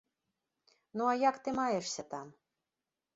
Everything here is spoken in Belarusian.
Ну, а як ты маешся там?